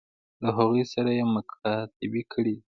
له هغوی سره یې مکاتبې کړي دي.